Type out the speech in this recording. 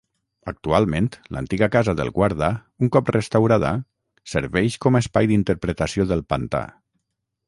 Actualment, l'antiga casa del guarda, un cop restaurada, serveix com a espai d'interpretació del Pantà.